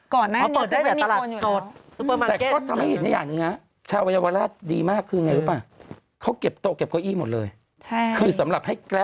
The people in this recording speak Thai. ก็ไม่ควรจะเปิดตอนปิดแล้วนะ